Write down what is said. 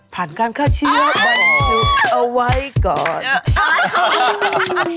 ผ่านการค่าเชียร์เอาไว้ก่อน